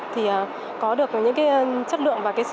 thì có được những cái chất lượng và cái sự